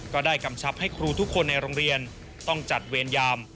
กำชับให้ครูทุกคนในโรงเรียนต้องจัดเวรยาม